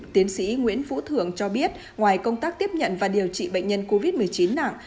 tiến sĩ nguyễn phú thượng cho biết ngoài công tác tiếp nhận và điều trị bệnh nhân covid một mươi chín nặng